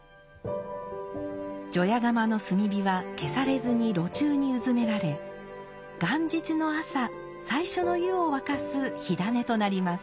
除夜釜の炭火は消されずに炉中にうずめられ元日の朝最初の湯を沸かす火種となります。